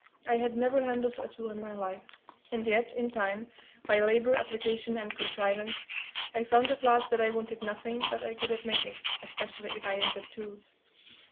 I had never handled a tool in my life; and yet, in time, by labor, application, and contrivance, I found at last that I wanted nothing but I could have made it, especially if I had had tools.